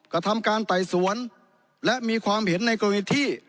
กระทำการไต่สวนและมีความเห็นในกรณีที่